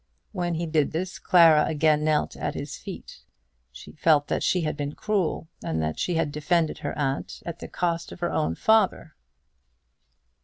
When he did this Clara again knelt at his feet. She felt that she had been cruel, and that she had defended her aunt at the cost of her own father.